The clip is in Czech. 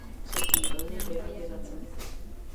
Třetí vlny privatizace.